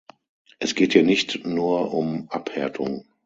Es geht hier nicht nur um Abhärtung.